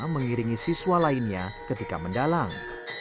mengiringi siswa lainnya ketika mendalang